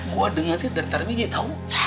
gue denger dia dari tadi aja tau